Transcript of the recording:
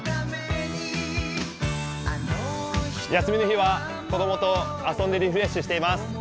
休みの日は、子供と遊んでリフレッシュしています。